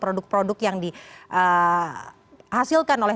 produk produk yang dihasilkan oleh